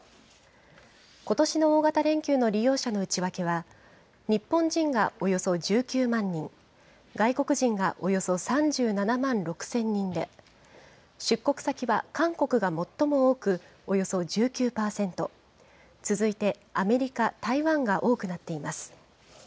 ことしの大型連休の利用者の内訳は、日本人がおよそ１９万人、外国人がおよそ３７万６０００人で、出国先は韓国が最も多くおよそ１９％、続いてアメリカ、台湾が多くなっています。